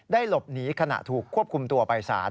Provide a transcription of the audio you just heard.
หลบหนีขณะถูกควบคุมตัวไปศาล